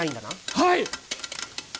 はい！